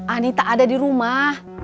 ani tak ada di rumah